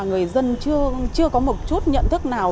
người dân chưa có một chút nhận thức nào